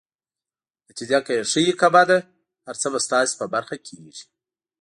نتیجه که يې ښه وي که بده، هر څه به ستاسي په برخه کيږي.